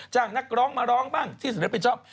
นักร้องมาร้องบ้างที่สุดแล้วเป็นชอบ